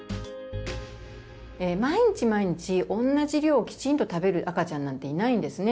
毎日毎日同じ量をきちんと食べる赤ちゃんなんていないんですね。